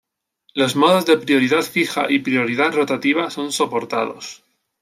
Los modos de prioridad fija y prioridad rotativa son soportados.